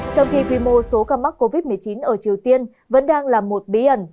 trong khi quy mô số ca mắc covid một mươi chín ở triều tiên vẫn đang là một bí ẩn